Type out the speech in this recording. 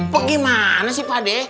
bagaimana sih pak de